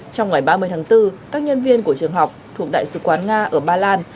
trong ngày ba mươi tháng bốn các nhân viên của trường học thuộc đại sứ quán nga ở ba lan